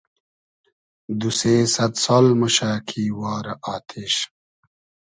دو سې سئد سال موشۂ کی وارۂ آتیش